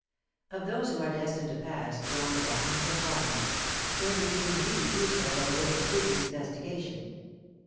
Of those who are destined to pass beyond the bounds of dogma, very few indeed do so by the way of studious investigation.